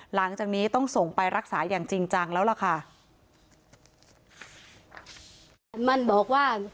หลังจากนี้ต้องส่งไปรักษาอย่างจริงจังแล้วล่ะค่ะ